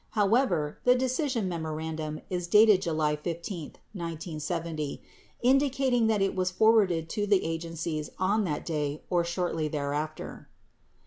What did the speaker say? However, the decision memorandum is dated July 15, 1970, indicating that it was forwarded to the agencies on that day or shortly thereafter.